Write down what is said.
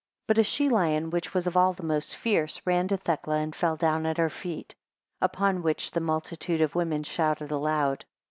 2 But a she lion, which was of all the most fierce, ran to Thecla, and fell down at her feet. Upon which the multitude of women shouted aloud.